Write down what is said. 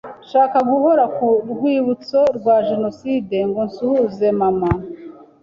nshaka guhora ku rwibutso rwa genocide ngo nsuhuze mama